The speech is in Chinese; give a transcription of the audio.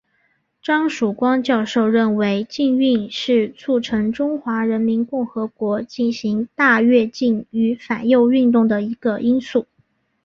张曙光教授认为禁运是促成中华人民共和国进行大跃进与反右运动的一个因素。